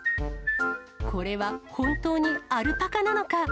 これは本当にアルパカなのか。